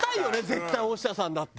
絶対大下さんだって。